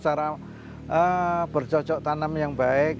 cara bercocok tanam yang baik